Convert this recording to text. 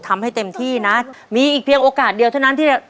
ทำให้เต็มที่นะมีอีกเพียงโอกาสเดียวเท่านั้นที่จะ